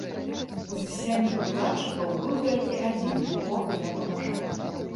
З сямі выкладчыкаў быў толькі адзін, якога я паважаў.